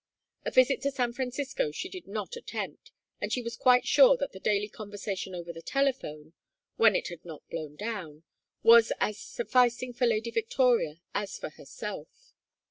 A visit to San Francisco she did not attempt, and she was quite sure that the daily conversation over the telephone when it had not blown down was as sufficing for Lady Victoria as for herself.